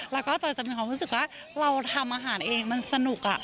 แล้วก็จอยจะมีความรู้สึกว่าเราทำอาหารเองมันสนุก